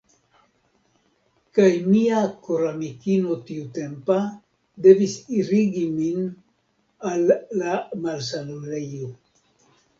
Kaj mia koramikino tiutempa devis irigi min al la malsanulejo.